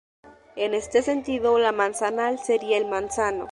En este sentido, "la manzanal" sería "el manzano".